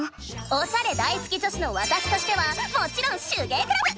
おしゃれ大好き女子のわたしとしてはもちろん手芸クラブ！